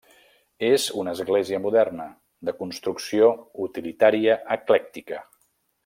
És una església moderna, de construcció utilitària eclèctica.